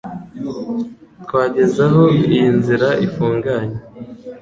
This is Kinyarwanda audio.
Twageze aho iyi nzira ifunganye